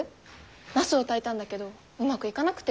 なすを炊いたんだけどうまくいかなくて。